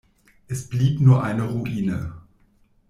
Es blieb nur eine Ruine.